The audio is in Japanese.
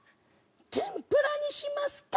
天ぷらにしますか？